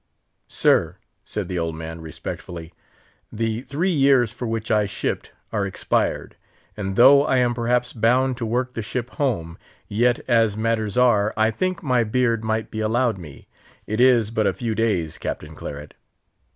"Sir," said the old man, respectfully, "the three years for which I shipped are expired; and though I am perhaps bound to work the ship home, yet, as matters are, I think my beard might be allowed me. It is but a few days, Captain Claret."